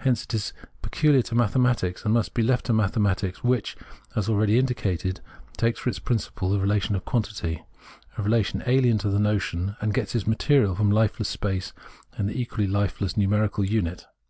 Hence it is pecuhar to mathematics and must be left to mathe matics, which, as already indicated, takes for its prin ciple the relation of quantity, a relation alien to the notion, and gets its material from lifeless space, and the equally lifeless numerical unit.